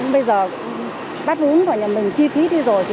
bây giờ bát bún của nhà mình chi phí đi rồi còn hai ba nghìn